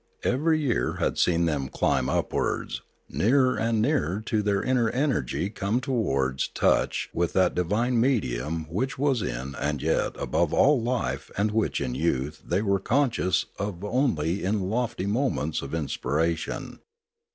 Every year had seen them climb upwards; nearer and nearer had their inner energy come towards touch with that divine medium which was in and yet above all life and which in youth they were conscious of only in lofty moments of inspiration.